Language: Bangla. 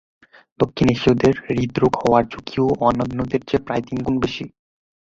দক্ষিণ এশীয়দের হৃদ্রোগ হওয়ার ঝুঁকিও অন্যদের চেয়ে প্রায় তিন গুণ বেশি।